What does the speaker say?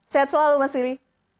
sehat selalu mas willy